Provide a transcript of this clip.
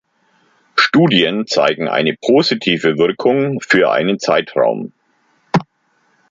Studien zeigen eine positive Wirkung für einen Zeitraum.